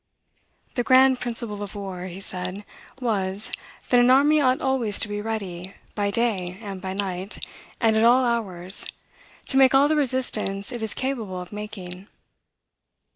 "The grand principle of war," he said, "was, that an army ought always to be ready, by day and by night, and at all hours, to make all the resistance it is capable of making."